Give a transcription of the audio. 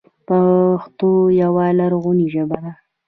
پښتو یوه لرغونې ژبه ده.